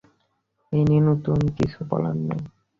এ নিয়ে নতুন করে কিছু বলার নেই।